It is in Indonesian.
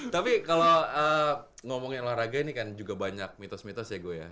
tapi kalau ngomongin olahraga ini kan juga banyak mitos mitos ya gue ya